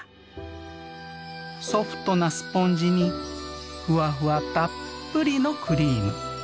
ソフトなスポンジにふわふわたっぷりのクリーム。